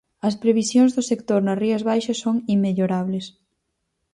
As previsións do sector nas Rías Baixas son inmellorables.